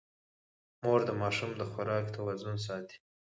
مور د ماشوم د خوراک توازن ساتي.